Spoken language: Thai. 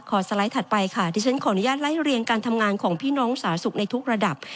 สไลด์ถัดไปค่ะที่ฉันขออนุญาตไล่เรียงการทำงานของพี่น้องสาสุขในทุกระดับ